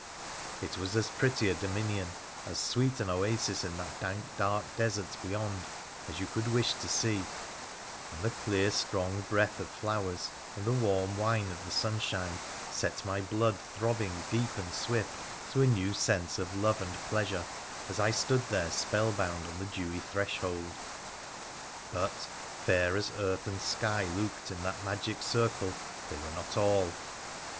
It was as pretty a dominion — as sweet an oasis in that dank dark desert beyond^as you could wish to see, and the clear strong breath of flowers, and the warm wine of the sunshine set my blood throbbing deep and swift to a new sense of love and pleasure as I stood there spell bound on the dewy threshold. But, fair as earth and sky looked in that magic circle, they 886 WONDERFUL ADVENTURES OF were not all.